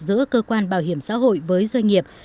giữa cơ quan bảo hiểm xã hội với doanh nghiệp